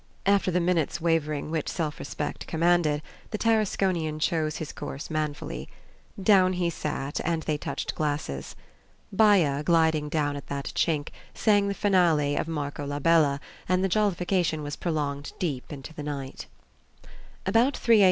After the minute's wavering which self respect commanded, the Tarasconian chose his course manfully. Down he sat, and they touched glasses. Baya, gliding down at that chink, sang the finale of "Marco la Bella," and the jollification was prolonged deep into the night. About 3 A.